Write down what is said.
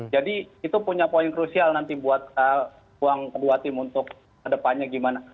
jadi itu punya poin krusial nanti buat buang kebuatim untuk ke depannya gimana